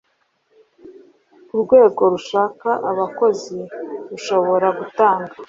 Urwego rushaka abakozi rushobora gutanga